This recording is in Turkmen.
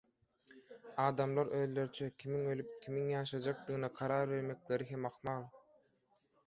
Adamlar özleriçe kimiň ölüp kimiň ýaşajakdygyna karar bermekleri hem ahmal.